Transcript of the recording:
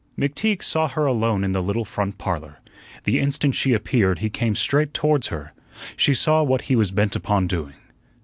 McTeague saw her alone in the little front parlor. The instant she appeared he came straight towards her. She saw what he was bent upon doing.